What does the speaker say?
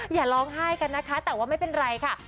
อย่าร้องไห้กันนะคะแต่ว่าไม่เป็นไรค่ะ